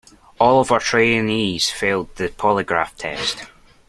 All of our trainees failed the polygraph test.